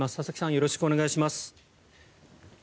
よろしくお願いします。